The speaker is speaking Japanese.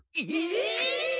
え！